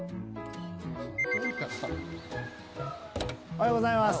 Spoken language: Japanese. おはようございます。